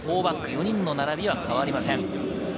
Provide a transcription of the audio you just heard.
４人の並びは変わりません。